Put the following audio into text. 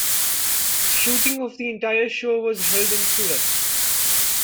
Shooting of the entire show was held in Surat.